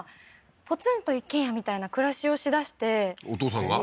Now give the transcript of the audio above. ポツンと一軒家みたいな暮らしをしだしてお父さんが？